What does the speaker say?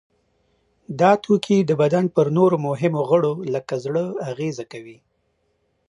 دا توکي د بدن پر نورو مهمو غړو لکه زړه اغیزه کوي.